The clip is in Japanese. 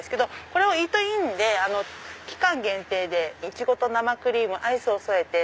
これをイートインで期間限定でイチゴと生クリームアイスを添えて。